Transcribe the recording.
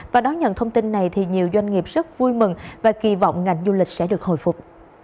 và đón nhận thông tin này thì nhiều doanh nghiệp rất vui mừng và kỳ vọng ngành du lịch sẽ được hồi phục